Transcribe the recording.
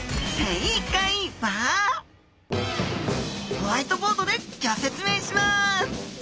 ホワイトボードでギョ説明します